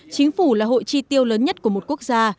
chính phủ là hội tri tiêu lớn nhất của một quốc gia